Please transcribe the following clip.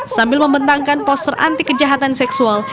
sambil membentangkan poster anti kejahatan seksual